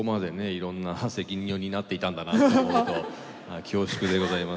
いろんな責任を担っていたんだなと思うと恐縮でございますけれども。